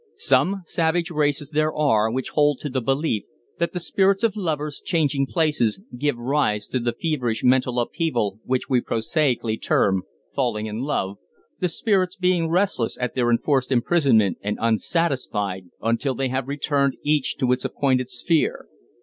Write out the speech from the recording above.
Some savage races there are which hold to the belief that the spirits of lovers changing places, give rise to the feverish mental upheaval which we prosaically term "falling in love," the spirits being restless at their enforced imprisonment and unsatisfied until they have returned each to its appointed sphere.